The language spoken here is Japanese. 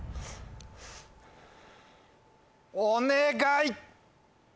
お願い！